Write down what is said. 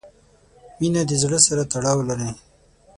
• مینه د زړۀ سره تړاو لري.